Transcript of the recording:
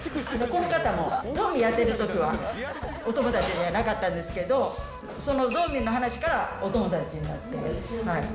この方もゾンビやってるときはお友達じゃなかったんですけど、そのゾンビの話からお友達になって。